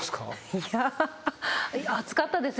いや熱かったですよね